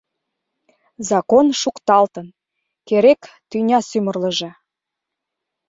Закон шукталтын, керек тӱня сӱмырлыжӧ.